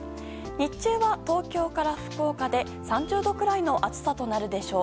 日中は東京から福岡で３０度くらいの暑さとなるでしょう。